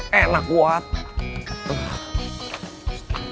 apa supuesto ini untuk siapa ya